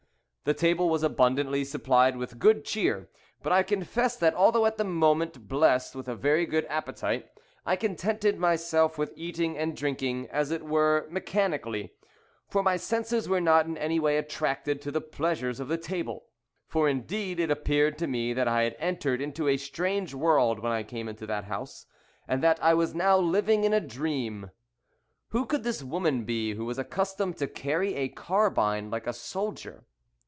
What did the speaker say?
The table was abundantly supplied with good cheer. But I confess that although at the moment blessed with a very good appetite, I contented myself with eating and drinking as it were mechanically, for my senses were not in any way attracted by the pleasures of the table. For, indeed, it appeared to me that I had entered into a strange world when I came into that house, and that I was now living in a dream. Who could this woman be who was accustomed to carry a carbine like a soldier?